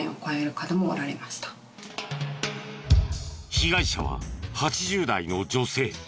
被害者は８０代の女性。